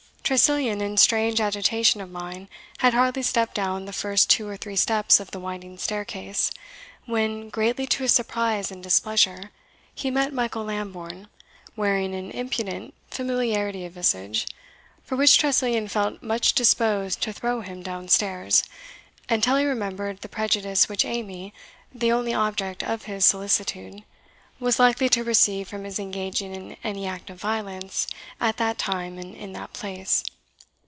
Tressilian, in strange agitation of mind, had hardly stepped down the first two or three steps of the winding staircase, when, greatly to his surprise and displeasure, he met Michael Lambourne, wearing an impudent familiarity of visage, for which Tressilian felt much disposed to throw him down stairs; until he remembered the prejudice which Amy, the only object of his solicitude, was likely to receive from his engaging in any act of violence at that time and in that place.